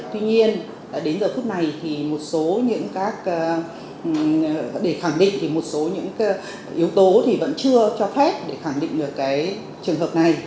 tuy nhiên đến giờ phút này để khẳng định một số những yếu tố vẫn chưa cho phép để khẳng định được trường hợp này